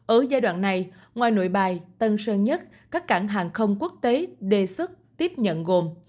ở giai đoạn này ngoài nội bài tân sơn nhất các cảng hàng không quốc tế đề xuất tiếp nhận gồm